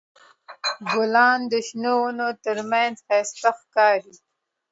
ګلان د شنو ونو تر منځ ښایسته ښکاري.